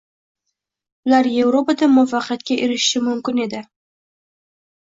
Ular Yevropada muvaffaqiyatga erishishi mumkin edi